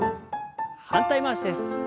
反対回しです。